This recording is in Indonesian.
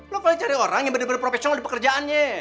lu kalau nyari orang yang bener bener profesional di pekerjaannya